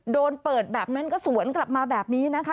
โดนเปิดแบบนั้นก็สวนกลับมาแบบนี้นะคะ